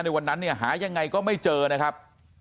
ในวันนั้นหายังไงก็ไม่เจอนะครับ